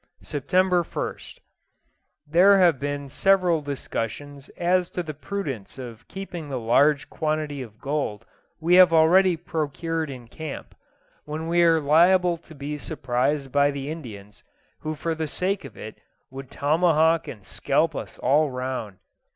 September 1st. There have been several discussions as to the prudence of keeping the large quantity of gold we have already procured in camp, when we are liable to be surprised by the Indians, who for the sake of it would tomahawk and scalp us all round.